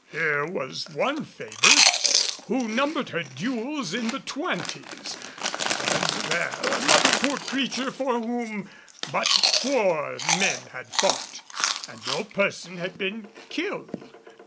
Here was one favorite who numbered her duels in the twenties; and there another poor creature for whom but four men had fought, and no person been killed.